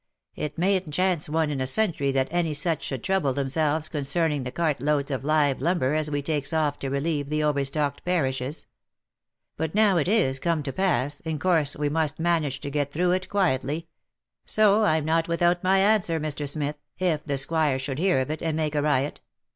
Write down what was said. It mayn't chance once in a century that any such should trouble themselves concerning the cart loads of live lumber as we takes off to relieve the overstocked parishes. But now it is come to pass, in course we must manage to get through it quietly — so I'm not without my answer, Mr. Smith, if the squire should hear of it, and make a riot."